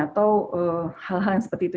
atau hal hal yang seperti itu